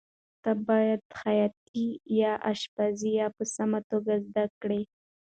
ته باید خیاطي یا اشپزي په سمه توګه زده کړې.